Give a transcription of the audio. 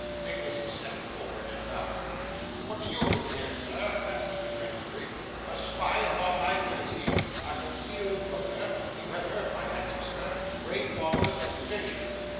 Nicholas stepped forward, and bowed. 'What do you do here, sir?' asked Mr. Gregsbury; 'a spy upon my privacy! A concealed voter! You have heard my answer, sir. Pray follow the deputation.